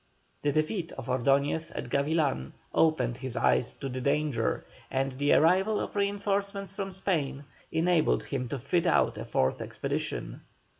The defeat of Ordoñez at Gavilán opened his eyes to the danger, and the arrival of reinforcements from Spain enabled him to fit out a fourth expedition.